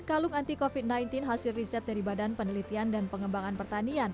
kalung anti covid sembilan belas hasil riset dari badan penelitian dan pengembangan pertanian